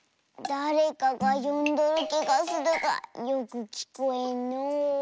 だれかがよんどるきがするがよくきこえんのう。